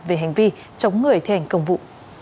về hành vi chống người thi hành công vụ